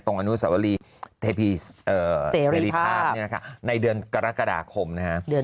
อนุสวรีเสรีภาพในเดือนกรกฎาคมนะครับ